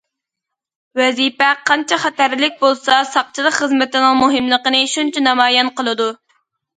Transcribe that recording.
ۋەزىپە قانچە خەتەرلىك بولسا، ساقچىلىق خىزمىتىنىڭ مۇھىملىقىنى شۇنچە نامايان قىلىدۇ.